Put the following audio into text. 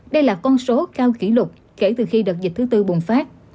đây là con số cao kỷ lục kể từ khi đợt dịch thứ tư bùng phát